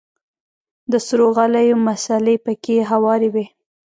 د سرو غاليو مصلې پکښې هوارې وې.